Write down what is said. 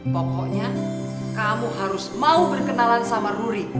pokoknya kamu harus mau berkenalan sama ruri